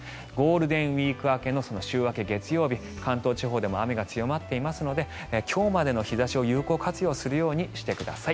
ゴールデンウィーク明けの月曜日関東地方でも雨が強まっていますので今日までの日差しを有効活用してください。